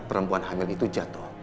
perempuan hamil itu jatuh